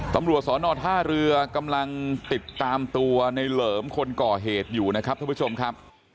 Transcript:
ตำรวจสอนอท่าเรือกำลังติดตามตัวในเหลิมคนก่อเหตุอยู่นะครับท่านผู้ชมครับ